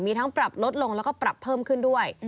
มีทั้งปรับลดลงแล้วก็ปรับเพิ่มขึ้นด้วย